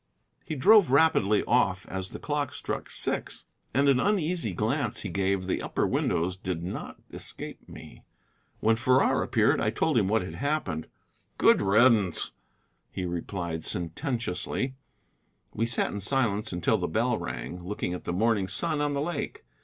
He drove rapidly off as the clock struck six, and an uneasy glance he gave the upper windows did not escape me. When Farrar appeared, I told him what had happened. "Good riddance," he replied sententiously. We sat in silence until the bell rang, looking at the morning sun on the lake.